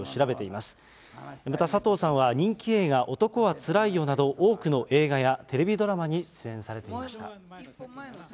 また佐藤さんは人気映画、男はつらいよなど、多くの映画やテレビドラマに出演されていました。